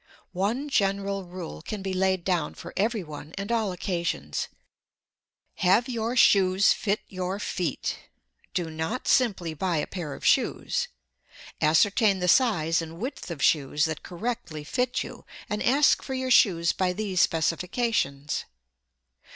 One general rule can be laid down for everyone and all occasions: Have your shoes fit your feet. Do not simply "buy a pair of shoes." Ascertain the size and width of shoes that correctly fit you, and ask for your shoes by these specifications.